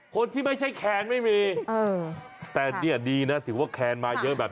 คนที่ไม่ใช่แคนไม่มีแต่เนี่ยดีนะถือว่าแคนมาเยอะแบบ